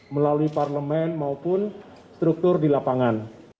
melalui parlemen maupun struktur di lapangan